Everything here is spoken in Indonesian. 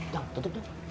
jangan tutup dong